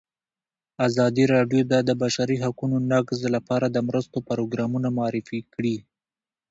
ازادي راډیو د د بشري حقونو نقض لپاره د مرستو پروګرامونه معرفي کړي.